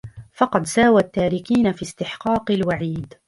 فَقَدْ سَاوَى التَّارِكِينَ فِي اسْتِحْقَاقِ الْوَعِيدِ